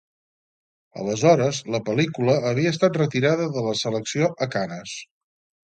Aleshores, la pel·lícula havia estat retirada de la selecció a Canes.